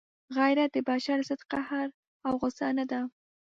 غیرت د بشر ضد قهر او غصه نه ده.